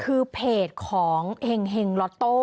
คือเพจของเห็งล็อตโต้